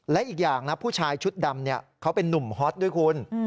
และอีกอย่างนะผู้ชายชุดดำเขาเป็นนุ่มฮอตด้วยคุณ